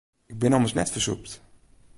Ik bin ommers net fersûpt.